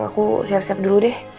aku siap siap dulu deh